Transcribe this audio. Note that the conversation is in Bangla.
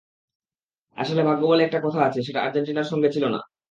আসলে ভাগ্য বলে একটা কথা আছে, সেটা আর্জেন্টিনার সঙ্গে ছিল না।